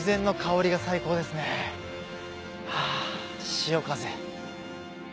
潮風。